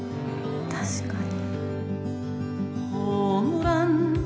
確かに。